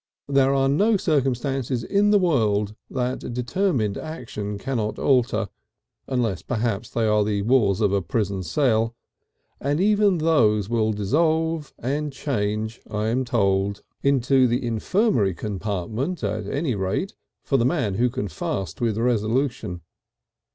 There are no circumstances in the world that determined action cannot alter, unless perhaps they are the walls of a prison cell, and even those will dissolve and change, I am told, into the infirmary compartment at any rate, for the man who can fast with resolution.